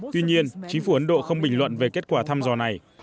tuy nhiên chính phủ ấn độ không bình luận về kết quả thăm dò này